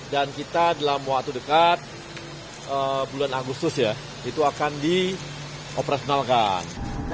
dan kita dalam waktu dekat bulan agustus ya itu akan di operasionalkan